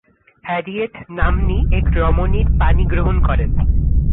Harriet নাম্নী এক রমণীর পাণিগ্রহণ করেন।